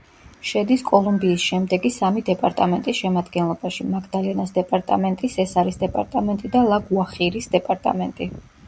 შედის კოლუმბიის შემდეგი სამი დეპარტამენტის შემადგენლობაში: მაგდალენას დეპარტამენტი, სესარის დეპარტამენტი და ლა-გუახირის დეპარტამენტი.